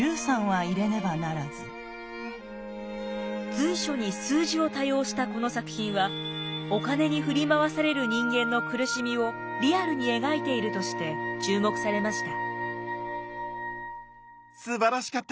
随所に数字を多用したこの作品はお金に振り回される人間の苦しみをリアルに描いているとして注目されました。